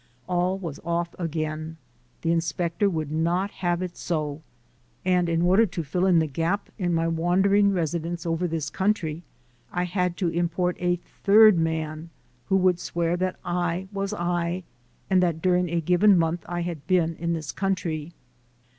All was off again; the inspector would not have it so, and in order to fill in the gap in my wandering residence over tlu's country I had to 198 THE SOUL OF AN IMMIGRANT import a third man who would swear that I was I and that during a given month I had been in this country.